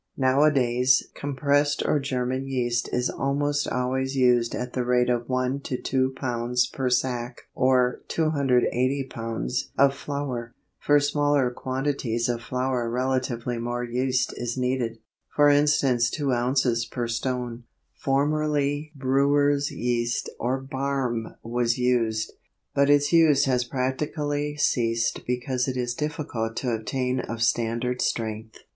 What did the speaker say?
Nowadays compressed or German yeast is almost always used at the rate of 1 to 2 lbs. per sack or 280 lbs. of flour. For smaller quantities of flour relatively more yeast is needed, for instance 2 ozs. per stone. Formerly brewers' yeast or barm was used, but its use has practically ceased because it is difficult to obtain of standard strength.